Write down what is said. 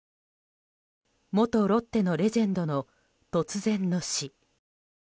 元ロッテのレジェンドの突然の死。